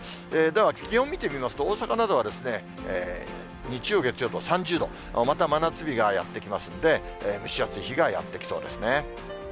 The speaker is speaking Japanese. では気温見てみますと、大阪などは日曜、月曜と３０度、また真夏日がやって来ますんで、蒸し暑い日がやって来そうですね。